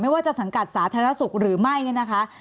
ว่าจะสังกัดสาธารณสุขหรือไม่เนี่ยนะคะ